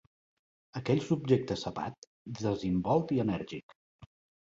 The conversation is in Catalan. Aquell subjecte sapat, desinvolt i enèrgic.